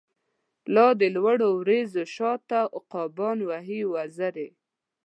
لا د لوړو وریځو شا ته، عقابان وهی وزری